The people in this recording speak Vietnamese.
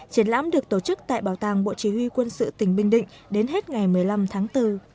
triển lãm được tổ chức tại bảo tàng bộ chỉ huy quân sự tỉnh bình định đến hết ngày một mươi năm tháng bốn